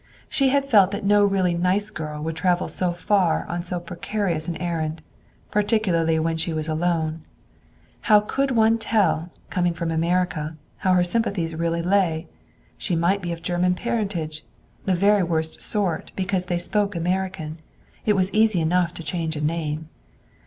She had felt that no really nice girl would travel so far on so precarious an errand, particularly when she was alone. And how could one tell, coming from America, how her sympathies really lay? She might be of German parentage the very worst sort, because they spoke American. It was easy enough to change a name.